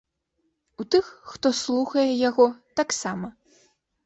У тых, хто слухае яго, таксама.